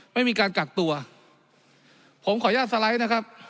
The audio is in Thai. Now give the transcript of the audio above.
ไม่มีการกักตัวผมขออนุญาตสไลด์นะครับ